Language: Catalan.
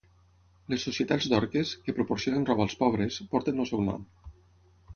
Les Societats Dorques, que proporcionen roba als pobres, porten el seu nom.